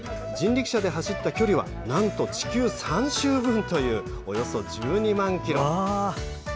人力車で走った距離はなんと地球３周分というおよそ１２万ｋｍ。